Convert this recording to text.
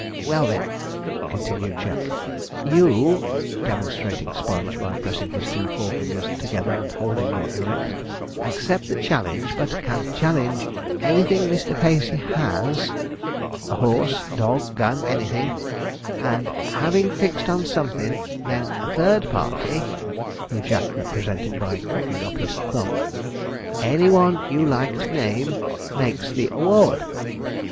Well, then,' continued Jack, 'you' (demonstrating Sponge by pressing his two forefingers together, and holding them erect) 'accept the challenge, but can challenge anything Mr. Pacey has a horse, dog, gun anything; and, having fixed on somethin' then a third party' (who Jack represented by cocking up his thumb), 'any one you like to name, makes the award.